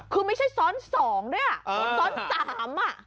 คือไม่ใช่ซ้อน๒ด้วยอ่ะซ้อน๓อ่ะ